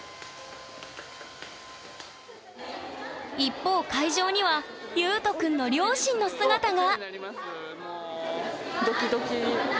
一方会場にはユウト君の両親の姿が！